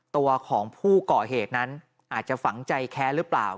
ตัวของผู้ก่อเหตุนั้นอาจจะฝังใจแค้นหรือเปล่า